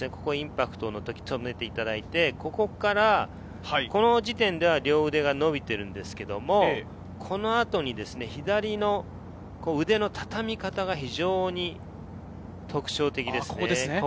彼の特徴はインパクトの時に止めていただいて、ここからこの時点では両腕が伸びているんですが、この後に左の腕のたたみ方が非常に特徴的ですね。